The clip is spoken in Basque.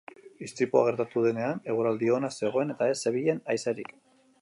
Istripua gertatu denean, eguraldi ona zegoen eta ez zebilen haizerik.